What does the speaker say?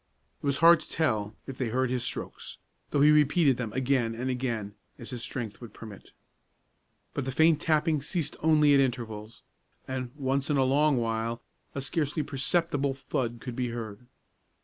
It was hard to tell if they heard his strokes, though he repeated them again and again, as his strength would permit. But the faint tapping ceased only at intervals, and, once in a long while, a scarcely perceptible thud could be heard.